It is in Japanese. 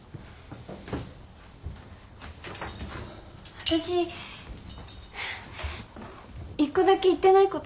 わたし１個だけ言ってないことあった。